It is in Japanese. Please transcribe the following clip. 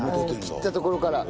切ったところから。